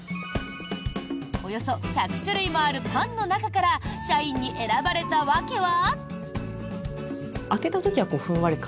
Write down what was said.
およそ１００種類もあるパンの中から社員に選ばれた訳は？